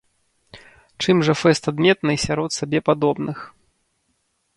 Чым жа фэст адметны сярод сабе падобных?